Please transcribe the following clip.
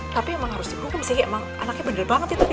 tapi emang harus dihukum sih emang anaknya bener banget sih tadi